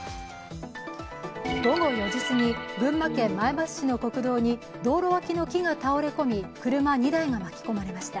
午後４時すぎ、群馬県前橋市の国道に道路脇の木が倒れ込み、車２台が巻き込まれました。